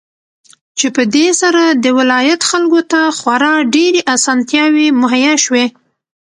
چې په دې سره د ولايت خلكو ته خورا ډېرې اسانتياوې مهيا شوې.